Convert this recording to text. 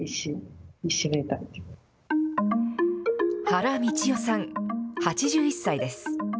原理代さん８１歳です。